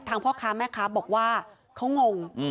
พ่อค้าแม่ค้าบอกว่าเขางง